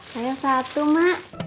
teh iyo satu ma